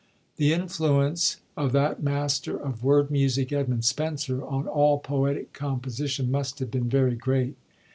The influence of that master of word music, Edmund Spenser, on all poetic composition must have been very great.